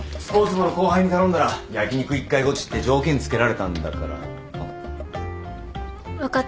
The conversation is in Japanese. スポーツ部の後輩に頼んだら焼き肉一回ゴチって条件付けられたんだからな。